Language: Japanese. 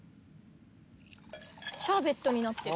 シャーベットになってる。